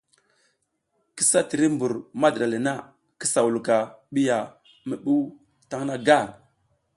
Kisa tiri mbur madiɗa le na, kisa wulka ɓi ya mi ɓuw taƞ na gar.